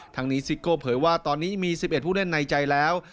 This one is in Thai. ทั้งนี้ซิโก้เผยว่าตอนนี้มี๑๑ผู้เล่นในใจแล้ว